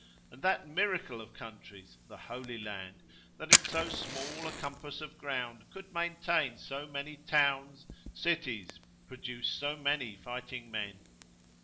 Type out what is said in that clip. and that miracle of countries, the Holy Land, that in so small a compass of ground could maintain so many towns, cities, produce so many fighting men?